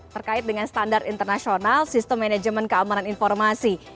terkait dengan standar internasional sistem manajemen keamanan informasi